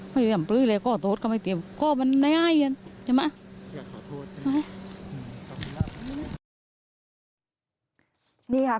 ไม่อยากจะปฎิเลยขอโทษค่ะใหม่เตรียมจิ๊มมา